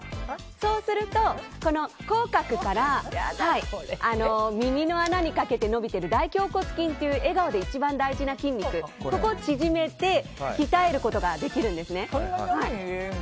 そうすると口角から耳の穴にかけて伸びている大頬骨筋という笑顔で一番大事な筋肉を縮めて鍛えることができるんですね。